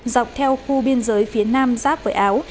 dọc theo khu biên giới phía nam giáp với áo